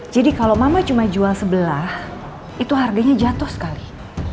jadi kalo mama cuma jual sebelah itu harganya jatuh sekali